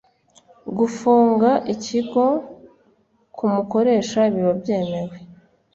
gufunga ikigo ku mukoresha biba byemewe